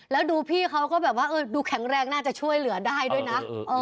แล้วดูพี่เขาก็แบบว่าดูแข็งแรงน่าจะช่วยเหลือได้ด้วยนะ